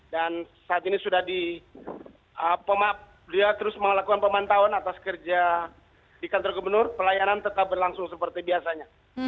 dan saat ini sudah di dia terus melakukan pemantauan atas kerja di kantor gubernur pelayanan tetap berlangsung seperti biasanya